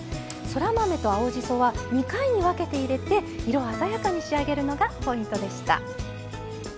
そら豆と青じそは２回に分けて入れて色鮮やかに仕上げるのがポイントでした。